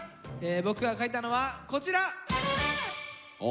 僕が描いたのはこちら。